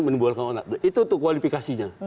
menimbulkan keonaran itu untuk kualifikasinya